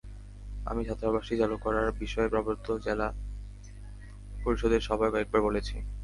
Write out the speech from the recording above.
আমি ছাত্রাবাসটি চালু করার বিষয়ে পার্বত্য জেলা পরিষদের সভায় কয়েকবার বলেছি।